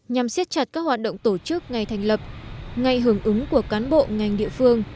nhằm xếp chặt các hoạt động tổ chức ngày thành lập ngày hưởng ứng của cán bộ ngành địa phương